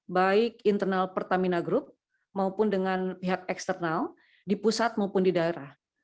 baik internal pertamina group maupun dengan pihak eksternal di pusat maupun di daerah